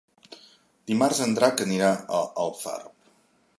Dimarts en Drac anirà a Alfarb.